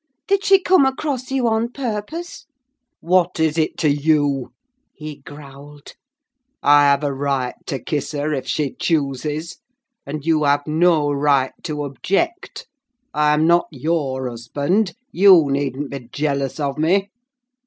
Did she come across you on purpose?" "What is it to you?" he growled. "I have a right to kiss her, if she chooses; and you have no right to object. I am not your husband: you needn't be jealous of me!"